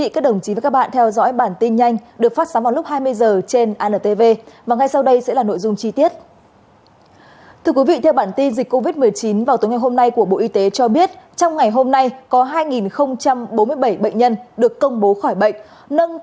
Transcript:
các bạn hãy đăng ký kênh để ủng hộ kênh của chúng mình nhé